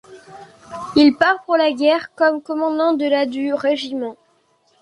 Il part pour la guerre comme commandant de la du régiment.